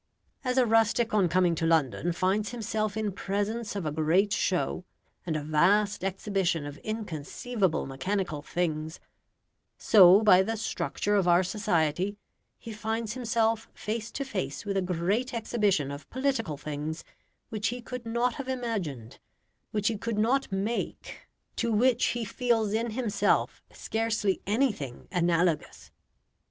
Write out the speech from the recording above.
As a rustic on coming to London finds himself in presence of a great show and vast exhibition of inconceivable mechanical things, so by the structure of our society, he finds himself face to face with a great exhibition of political things which he could not have imagined, which he could not make to which he feels in himself scarcely anything analogous.